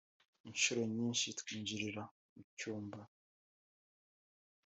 inshuro nyinshi atwinjirira mu cyumba